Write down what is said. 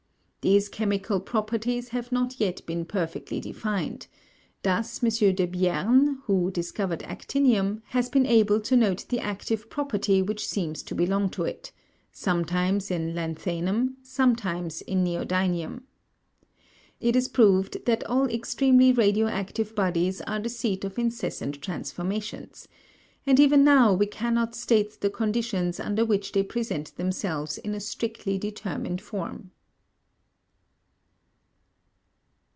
These chemical properties have not yet been perfectly defined; thus M. Debierne, who discovered actinium, has been able to note the active property which seems to belong to it, sometimes in lanthanum, sometimes in neodynium. It is proved that all extremely radioactive bodies are the seat of incessant transformations, and even now we cannot state the conditions under which they present themselves in a strictly determined form.